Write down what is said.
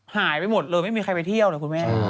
หายไปหมดเลยไม่มีใครไปเที่ยวเลยคุณแม่